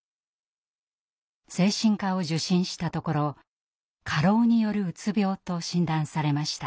精神科を受診したところ過労によるうつ病と診断されました。